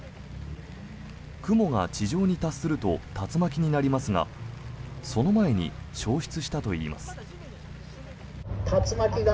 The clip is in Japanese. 雲が地上に達すると竜巻になりますがその前に消失したといいます。